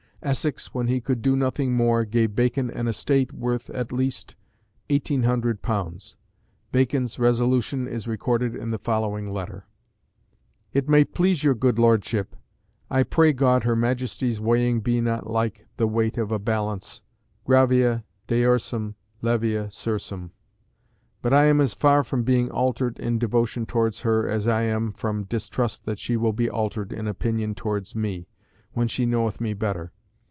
Essex, when he could do nothing more, gave Bacon an estate worth at least £1800. Bacon's resolution is recorded in the following letter: "IT MAY PLEASE YOUR GOOD LORDSHIP, I pray God her Majesty's weighing be not like the weight of a balance, gravia deorsum levia sursum. But I am as far from being altered in devotion towards her, as I am from distrust that she will be altered in opinion towards me, when she knoweth me better.